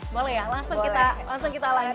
boleh ya langsung kita langsung kita lanjut